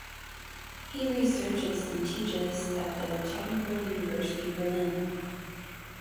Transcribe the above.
He researches and teaches at the Technical University Berlin.